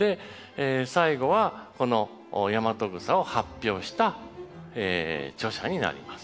最後はこのヤマトグサを発表した著者になります。